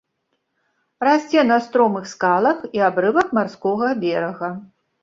Расце на стромых скалах і абрывах марскога берага.